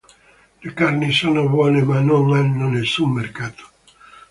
Le carni sono buone ma non hanno nessun mercato.